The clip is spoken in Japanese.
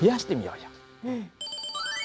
うん。